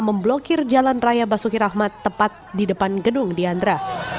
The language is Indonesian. memblokir jalan raya basuki rahmat tepat di depan gedung diandra